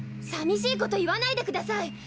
さみしいこと言わないでください。